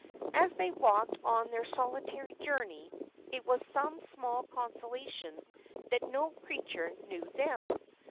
As they walked on their solitary journey, it was some small consolation that no creature knew them.